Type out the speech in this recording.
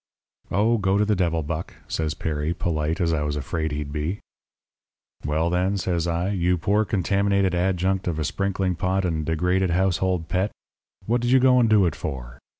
"'Oh, go to the devil, Buck,' says Perry, polite, as I was afraid he'd be. "'Well, then,' says I, 'you poor, contaminated adjunct of a sprinkling pot and degraded household pet, what did you go and do it for?